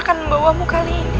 kenapa bisa seperti ini